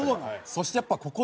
そしてやっぱここですね。